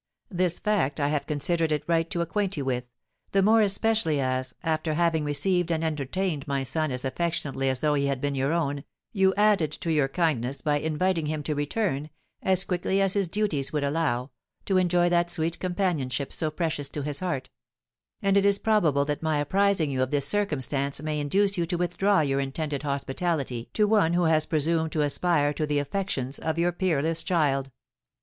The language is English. This fact I have considered it right to acquaint you with, the more especially as, after having received and entertained my son as affectionately as though he had been your own, you added to your kindness by inviting him to return, as quickly as his duties would allow, to enjoy that sweet companionship so precious to his heart; and it is probable that my apprising you of this circumstance may induce you to withdraw your intended hospitality to one who has presumed to aspire to the affections of your peerless child.